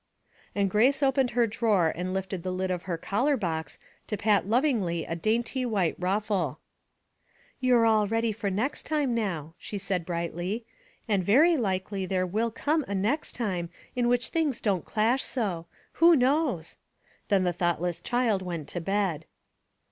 And Grace opened her drawer and lifted the lid of her collar box to pat lovingly a dainty white ruffle. " You're all ready for next time now," she said, brightly. *' And very likely there will come a ' next time ' in which things don't clash so. Who knows?" Then the thoughtless child went to bed.